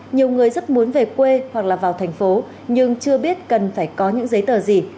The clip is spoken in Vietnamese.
nhiều người rất muốn về quê hoặc là vào thành phố nhưng chưa biết cần phải có những giấy tờ gì